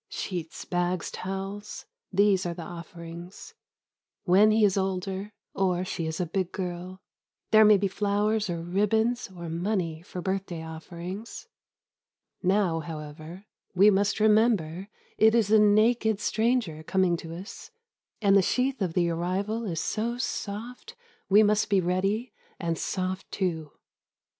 Sheets, bags, towels, these are the offerings. When he is older — or she is a big girl — There may be flowers or ribbons or money For birthday offerings. Now, however, We must remember it is a naked stranger Coming to us, and the sheath of the arrival 52 Harsk, Harsk Is so soft we must be ready, and soft too.